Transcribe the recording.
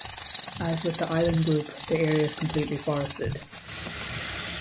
As with the island group, the area is completely forested.